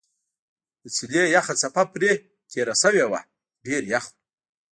د څېلې یخه څپه برې تېره شوې وه ډېر یخ و.